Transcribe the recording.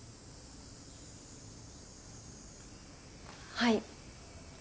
はい。